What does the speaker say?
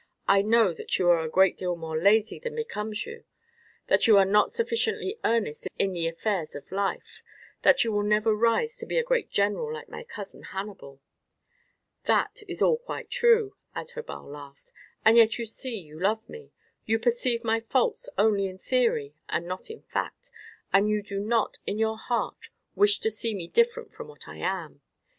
"I know that you are a great deal more lazy than becomes you; that you are not sufficiently earnest in the affairs of life; that you will never rise to be a great general like my cousin Hannibal." "That is all quite true," Adherbal laughed; "and yet you see you love me. You perceive my faults only in theory and not in fact, and you do not in your heart wish to see me different from what I am.